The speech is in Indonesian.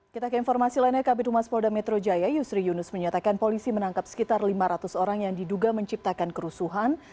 kita ke informasi lainnya kabit humas polda metro jaya yusri yunus menyatakan polisi menangkap sekitar lima ratus orang yang diduga menciptakan kerusuhan